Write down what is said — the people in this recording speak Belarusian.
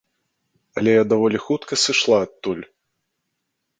Але я даволі хутка сышла адтуль.